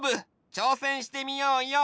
ちょうせんしてみようよ！